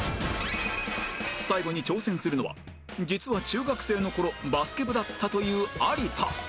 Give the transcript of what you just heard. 最後に挑戦するのは実は中学生の頃バスケ部だったという有田